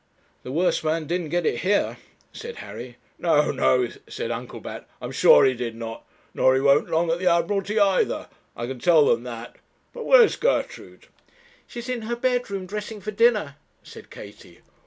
'The worst man didn't get it here,' said Harry. 'No, no,' said Uncle Bat, 'I'm sure he did not; nor he won't long at the Admiralty either, I can tell them that. But where's Gertrude?' 'She's in her bedroom, dressing for dinner,' said Katie.